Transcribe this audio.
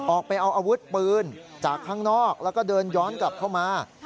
ออกไปเอาอาวุธปืนจากข้างนอกแล้วก็เดินย้อนกลับเข้ามา